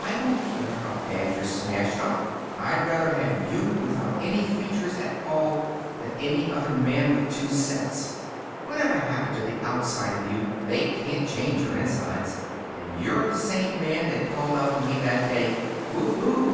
I don't care how bad you're smashed up. I'd rather have you without any features at all than any other man with two sets. Whatever's happened to the outside of you, they can't change your insides. And you're the same man that called out to me that day, "Hoo hoo!